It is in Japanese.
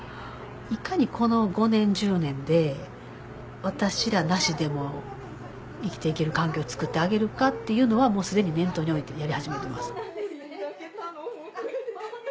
いかにこの５年１０年で私らなしでも生きて行ける環境をつくってあげるかっていうのはもう既に念頭に置いてやり始めてます。